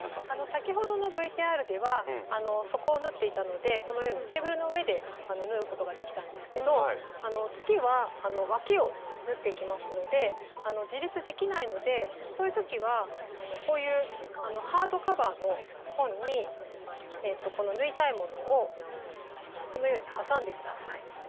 先ほどのＶＴＲでは底を縫っていたのでこのようにテーブルの上で縫うことができたんですけど次はわきを縫っていきますので自立できないのでそういう時はこういうハードカバーの本にこの縫いたいものをこのように挟んで下さい。